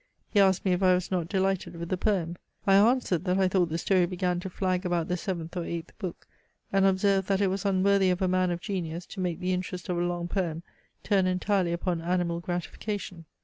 He asked me if I was not delighted with the poem. I answered, that I thought the story began to flag about the seventh or eighth book; and observed, that it was unworthy of a man of genius to make the interest of a long poem turn entirely upon animal gratification.